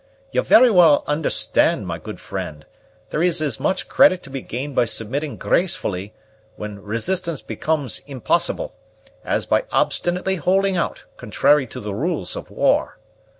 You'll very well understand, my good friend, there is as much credit to be gained by submitting gracefully, when resistance becomes impossible, as by obstinately holding out contrary to the rules of war.